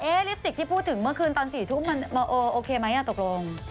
เอ๊ะลิปสติกที่พูดถึงเมื่อคืนตอนสี่ทุ่มโอเคมั้ยอ่ะตกลง